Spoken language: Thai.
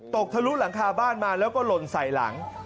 ทะลุหลังคาบ้านมาแล้วก็หล่นใส่หลัง